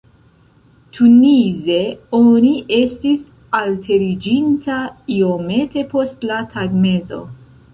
Tunize oni estis alteriĝinta iomete post la tagmezo.